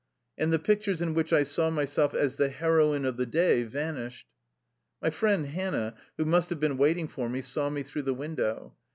And the pictures in which I saw myself as the heroine of the day vanished. My friend Hannah, who must have been waiting for me, saw me through the window.